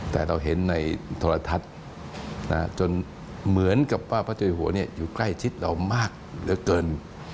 แต่เราเห็นในโทรทัศน์จนเหมือนกับว่าพระเจ้าอยู่หัวอยู่ใกล้ชิดเรามากเหลือเกิน